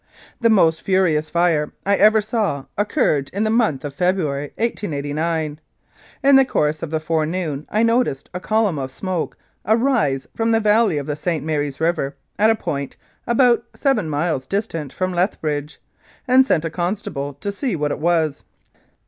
The most furious fire I ever saw occurred in the month of February, 1889. In the course of the fore noon I noticed a column of smoke arise from the valley of the St. Mary's River at a point about seven miles distant from Lethbridge, and sent a constable to see what it was.